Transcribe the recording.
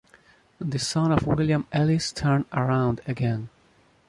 The son of William Ellis turned around again.